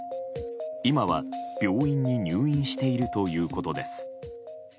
今は病院に入院しているということです。